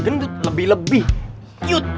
gendut lebih lebih cute